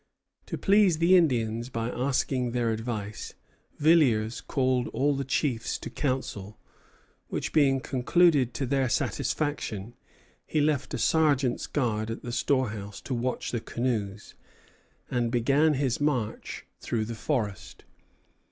To please the Indians by asking their advice, Villiers called all the chiefs to council; which, being concluded to their satisfaction, he left a sergeant's guard at the storehouse to watch the canoes, and began his march through the forest.